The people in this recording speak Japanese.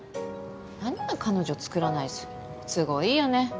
何が彼女作らない主義なの都合いいよね。